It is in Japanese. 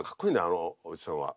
あのおじさんは。